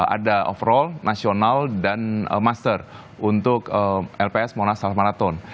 ada overall nasional dan master untuk lps monas asal marathon